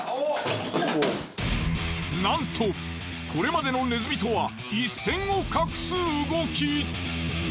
なんとこれまでのネズミとは一線を画す動き。